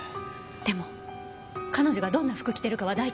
でも彼女がどんな服着てるかは大体わかる。